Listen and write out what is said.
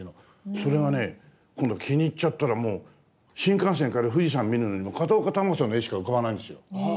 それがね今度気に入っちゃったらもう新幹線から富士山見るのにも片岡球子さんの絵しか浮かばないんですよ。